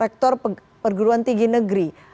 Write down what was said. rektor perguruan tinggi negeri